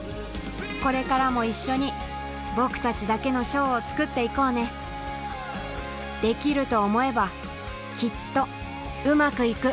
これからも一緒に僕たちだけのショーを作って行こうねできると思えばきっとウマくいく